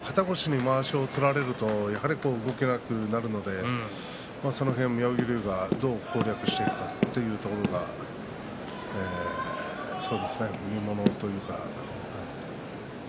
二本入ったとしても肩越しにまわしを取られると意外と動けなくなるのでその辺、妙義龍がどう攻略していくかというところが見ものというか。